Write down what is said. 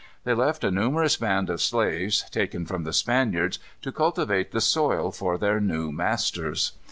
They left a numerous band of slaves, taken from the Spaniards, to cultivate the soil for their new masters.